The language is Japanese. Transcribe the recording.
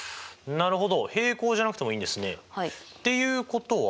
なるほど。